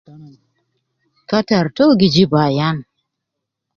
Kattar to gi jib ayan